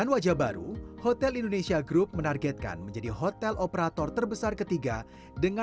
setelah berjalan hotel indonesia group menargetkan menjadi hotel operator terbesar ketiga